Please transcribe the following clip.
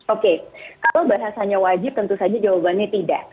oke kalau bahasanya wajib tentu saja jawabannya tidak